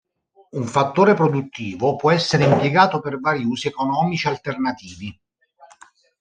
Un fattore produttivo può essere impiegato per vari usi economici alternativi.